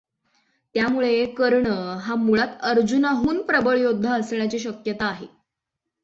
त्यामुळे, कर्ण हा मुळात अर्जुनाहून प्रबळ योद्धा असण्याची शक्यता आहे.